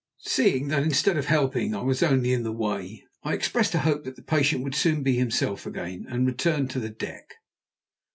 Seeing that, instead of helping, I was only in the way, I expressed a hope that the patient would soon be himself again, and returned to the deck.